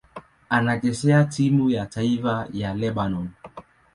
Anachezea timu ya taifa ya Lebanoni.